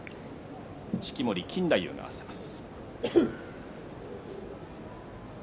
式守錦太夫が合わせます。